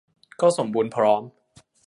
ก็สมบูรณ์พร้อม